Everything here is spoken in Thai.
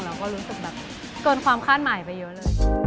เราก็รู้สึกแบบเกินความคาดหมายไปเยอะเลย